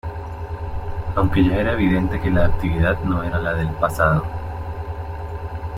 Aunque ya era evidente que la actividad no era la del pasado.